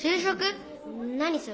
何それ？